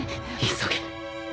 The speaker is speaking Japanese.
急げ